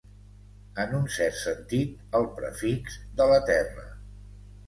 En un cert sentit, el prefix de la Terra.